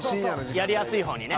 やりやすいほうにね。